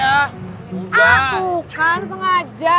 aku kan sengaja